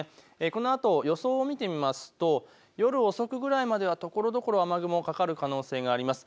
このあと予想を見てみますと夜遅くぐらいまでところどころ雨雲がかかる可能性があります。